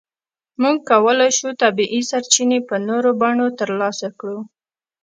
موږ کولای شو طبیعي سرچینې په نورو بڼو ترلاسه کړو.